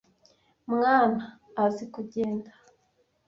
mwana azi kugenda.